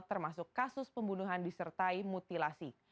termasuk kasus pembunuhan disertai mutilasi